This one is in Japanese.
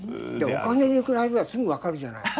お金に比べりゃすぐ分かるじゃない。